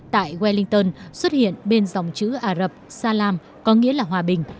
tại wellington xuất hiện bên dòng chữ ả rập salam có nghĩa là hòa bình